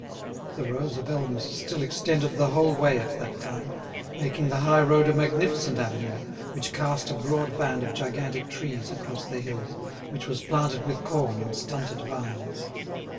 The rows of elms still extended the whole way at that time, making the high road a magnificent avenue, which cast a broad band of gigantic trees across the hill, which was planted with corn and stunted vines.